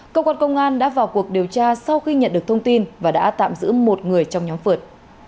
cơ quan công an đã vào cuộc điều tra sau khi nhận được thông tin và đã tạm giữ một người trong nhóm phượt